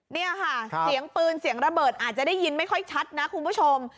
นี่ค่ะเสียงปืนเสียงระเบิดอาจจะได้ยินไม่ค่อยชัดนะคุณผู้ชม